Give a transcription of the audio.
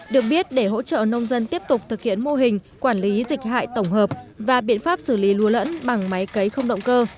được biết để hỗ trợ nông dân tiếp tục thực hiện mô hình quản lý dịch hại tổng hợp và biện pháp xử lý lúa lẫn bằng máy cấy không động cơ